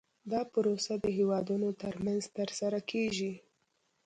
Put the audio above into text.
دا پروسه د هیوادونو ترمنځ ترسره کیږي